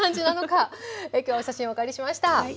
今日はお写真をお借りしました。